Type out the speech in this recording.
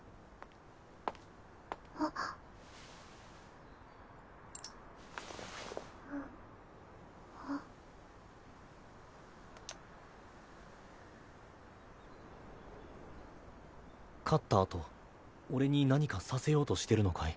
パチッ勝ったあと俺に何かさせようとしてるのかい？